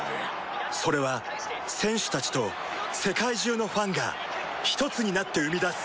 それは選手たちと世界中のファンがひとつになって生み出す